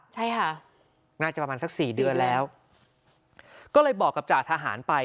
ใช่ค่ะน่าจะประมาณสักสี่เดือนแล้วก็เลยบอกกับจ่าทหารไป